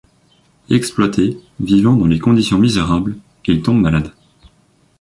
Exploité, vivant dans des conditions misérables, il tombe malade.